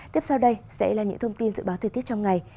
tiếp sau đây sẽ là những thông tin dự báo thời tiết trong ngày